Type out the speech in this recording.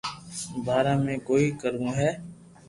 بارا ۾ بي ڪوئي ڪروو ھي